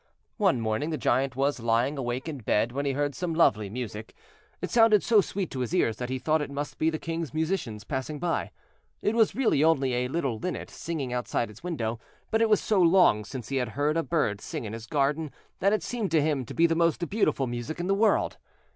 One morning the Giant was lying awake in bed when he heard some lovely music. It sounded so sweet to his ears that he thought it must be the King's musicians passing by. It was really only a little linnet singing outside his window, but it was so long since he had heard a bird sing in his garden that it seemed to him to be the most beautiful music in the world.